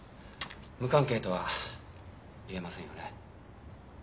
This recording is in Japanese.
無関係とは言えませんよね。